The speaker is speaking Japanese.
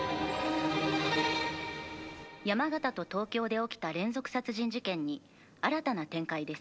「山形と東京で起きた連続殺人事件に新たな展開です」